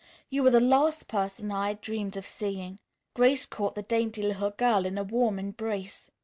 You are the last person I had dreamed of seeing." Grace caught the dainty little girl in a warm embrace.